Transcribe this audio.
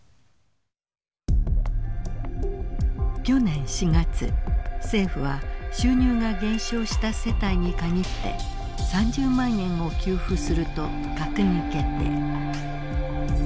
去年４月政府は収入が減少した世帯に限って３０万円を給付すると閣議決定。